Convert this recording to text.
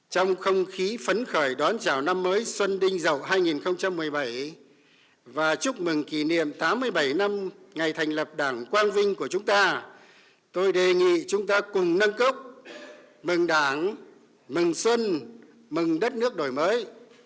trong không khí phấn khởi đón chào năm mới xuân đinh dậu hai nghìn một mươi bảy và chúc mừng kỷ niệm tám mươi bảy năm ngày thành lập đảng quang vinh của chúng ta tôi đề nghị chúng ta cùng nâng cốc mừng đảng mừng xuân mừng đất nước đổi mới